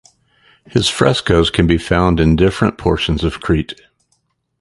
His frescos can be found in different portions of Crete.